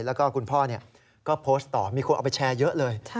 แล้วก็คุณพ่อก็โพสต์ต่อมีคนเอาไปแชร์เยอะเลย